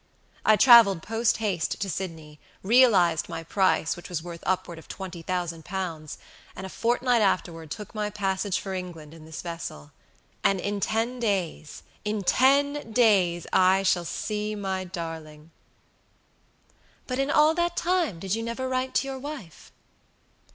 I traveled post haste to Sydney, realized my price, which was worth upward of £20,000, and a fortnight afterward took my passage for England in this vessel; and in ten daysin ten days I shall see my darling." "But in all that time did you never write to your wife?"